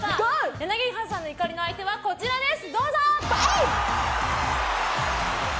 柳原さんの怒りの相手はこちらです。